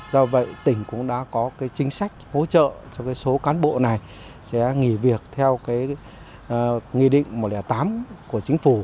do vậy tỉnh cũng đã có chính sách hỗ trợ cho số cán bộ này sẽ nghỉ việc theo nghị định một trăm linh tám của chính phủ